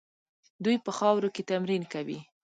دوی په خاورو کې تمرین کوي.